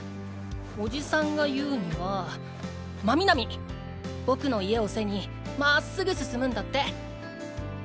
おじさんが言うには真南僕の家を背にまっすぐ進むんだって。